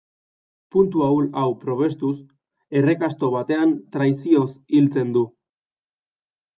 Puntu ahul hau probestuz, errekasto batean traizioz hiltzen du.